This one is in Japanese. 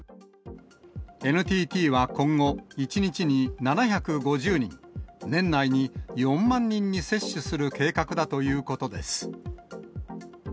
ＮＴＴは今後、１日に７５０人、年内に４万人に接種する計画だということです。